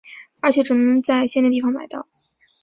而且只能在限定地方买到。